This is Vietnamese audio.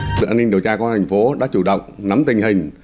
cơ quan an ninh điều tra công an tp hcm đã chủ động nắm tình hình